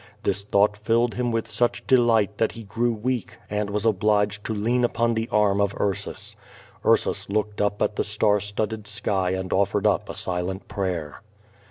This thought filled him with such delight that he grew weak and was obliged to lean upon the arm of Ursus. tarsus looked up at the star studded sky and offered up a silent prayer.